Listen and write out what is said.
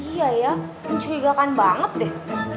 iya ya mencurigakan banget deh